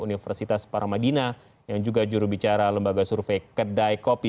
universitas paramadina yang juga jurubicara lembaga survei kedai kopi